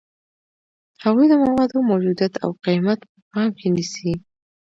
هغوی د موادو موجودیت او قیمت په پام کې نیسي.